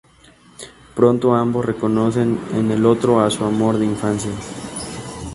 Pronto, ambos reconocen en el otro a su amor de infancia.